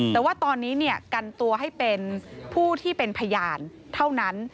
แต่ว่าตอนนี้กันตัวให้เป็นผู้ที่เป็นพยานเท่านั้น